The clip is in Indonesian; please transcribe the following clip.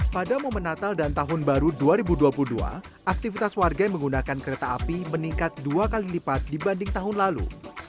pada momen natal dan tahun baru dua ribu dua puluh dua aktivitas warga yang menggunakan kereta api meningkat dua kali lipat dibanding tahun lalu